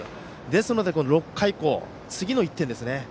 ですので６回以降次の１点ですね